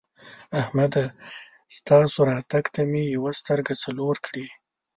احمده! ستاسو راتګ ته مې یوه سترګه څلور کړې.